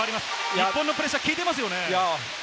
日本のプレッシャー、効いてますね。